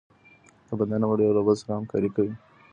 د بدن غړي یو له بل سره همکاري کوي.